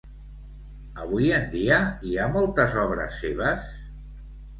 Avui en dia hi ha moltes obres seves?